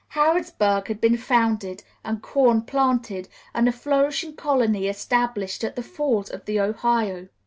Harrodsburg had been founded, and corn planted, and a flourishing colony established at the Falls of the Ohio.